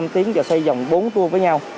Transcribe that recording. năm tiếng và xây dòng bốn tour với nhau